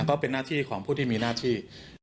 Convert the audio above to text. ก็เป็นหน้าที่ของผู้ที่มีหน้าที่